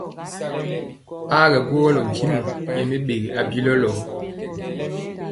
A kyɛgɔlɔ ntimɔ nyɛ mi ɓegi abilɔlɔ.